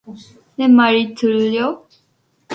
내 말이 들려?